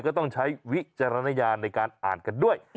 ก็ต้องใช้วิจารณญาณในการอ่านกันด้วย